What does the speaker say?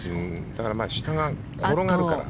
だから下が転がるから。